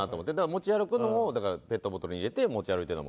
持ち歩くのをペットボトルに入れて持ち歩いてる。